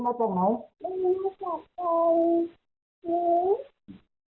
หาภารกิณ์เนี่ย